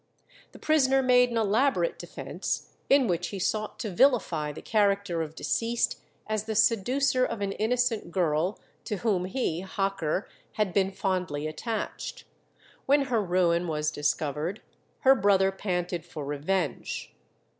The prisoner made an elaborate defence, in which he sought to vilify the character of deceased as the seducer of an innocent girl to whom he (Hocker) had been fondly attached. When her ruin was discovered her brother panted for revenge.